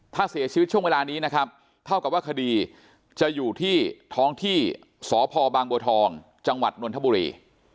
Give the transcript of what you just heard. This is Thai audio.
ถ้าเสียชีวิตช่วงเวลานี้นะครับเท่ากับว่าคดีจะอยู่ที่ท้องที่สพบางบัวทองจังหวัดนนทบุรี